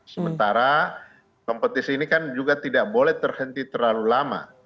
sementara kompetisi ini kan juga tidak boleh terhenti terlalu lama